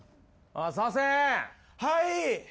・はい。